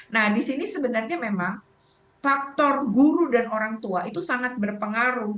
nah di sini sebenarnya memang faktor guru dan orang tua itu sangat berpengaruh